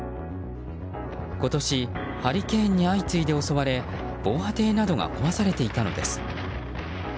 今年ハリケーンに相次いで襲われ防波堤などが壊されていたのです。